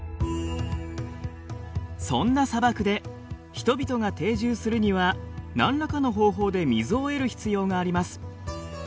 そんな砂漠で人々が定住するには何らかの方法で水を得る必要があります。